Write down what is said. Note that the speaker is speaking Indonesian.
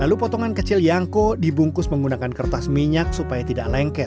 lalu potongan kecil yangko dibungkus menggunakan kertas minyak supaya tidak lengket